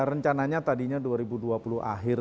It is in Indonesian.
rencananya tadinya dua ribu dua puluh akhir